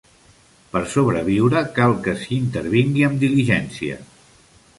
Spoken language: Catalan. Per sobreviure, cal que s'hi intervingui amb diligència.